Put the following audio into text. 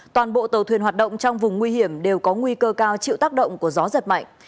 toàn bộ tàu thuyền hoạt động trong vùng nguy hiểm đều có nguy cơ cao chịu tác động của gió giật mạnh